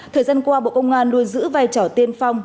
thời gian qua bộ công an luôn giữ vai trò tiên phong